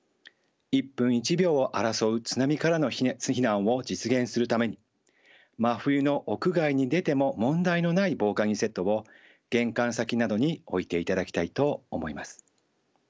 一分一秒を争う津波からの避難を実現するために真冬の屋外に出ても問題のない防寒着セットを玄関先などに置いていただきたいと思います。